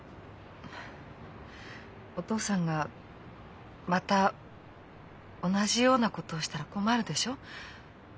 お父さんがまた同じようなことをしたら困るでしょう？